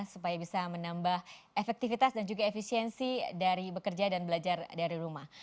supaya bisa menambah efektivitas dan juga efisiensi dari bekerja dan belajar dari rumah